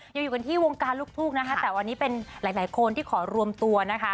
อยู่กันที่วงการลูกทุ่งนะคะแต่วันนี้เป็นหลายคนที่ขอรวมตัวนะคะ